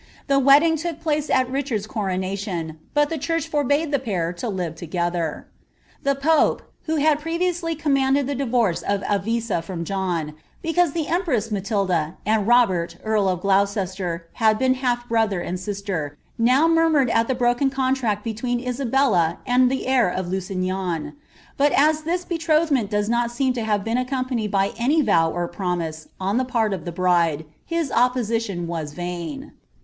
The place at Richard^s coronation, but the church forbade tliu ;. together.' The pope, who had previously comtnanded the divorce of ATin 6i> John, because the empress Matilda and Robert earl of OloottMef W been half brother and sbter, now murmured at the brok<m cooliaetV' iween Isabella and the heir of Ltisignan ; but as this betrothnuDi 4Ni not seem lo have been accompanied by any vow or promise on thajM of the bride, his opposition was vain.